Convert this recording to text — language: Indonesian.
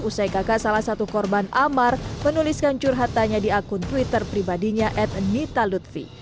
usai kakak salah satu korban amar menuliskan curhatannya di akun twitter pribadinya at nita lutfi